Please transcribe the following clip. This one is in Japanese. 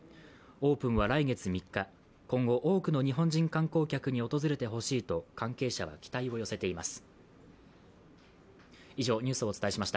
オープンは来月３日、今後多くの日本人観光客に訪れてほしいと関係者は期待を寄せています。